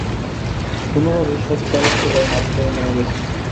কোনভাবে সব দায়িত্বভার মাথা থেকে নেমে গেছে।